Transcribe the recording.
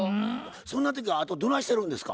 そんな時はあなたどないしてるんですか？